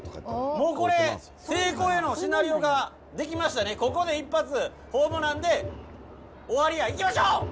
もうこれ、成功へのシナリオができましたね、ここで一発、ホームランで終わりや、いきましょう！